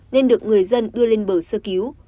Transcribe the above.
nên được người dân đưa lên bờ sơ cứu